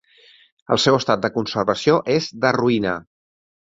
El seu estat de conservació és de ruïna.